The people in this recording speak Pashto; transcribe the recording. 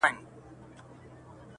په دا ماته ژبه چاته پیغام ورکړم!